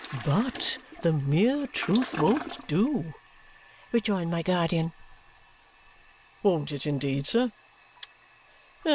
"But the mere truth won't do," rejoined my guardian. "Won't it indeed, sir?